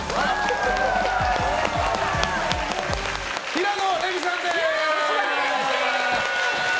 平野レミさんです！